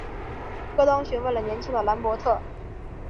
戈登询问了年轻的兰伯特。